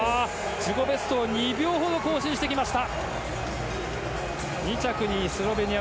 自己ベストを２秒ほど更新してきました。